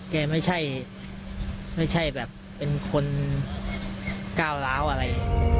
แกไม่ใช่แบบเป็นคนก้าวร้าวอะไร